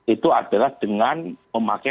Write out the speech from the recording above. itu adalah dengan memakai